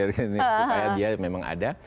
supaya dia memang ada